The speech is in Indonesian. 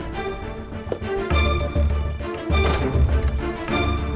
kenapa bengong ha